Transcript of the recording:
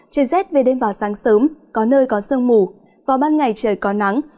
trời rét về đêm vào sáng sớm có nơi có sương mù vào ban ngày trời có nắng